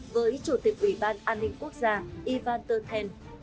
với chủ tịch ủy ban an ninh quốc gia ivan ken